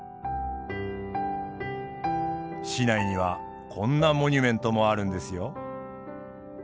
市内にはこんなモニュメントもあるんですよ。